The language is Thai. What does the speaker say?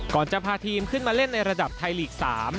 ก่อนจะพาทีมขึ้นมาเล่นในระดับไทยลีก๓